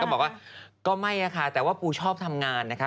บอกว่าก็ไม่ค่ะแต่ว่าปูชอบทำงานนะคะ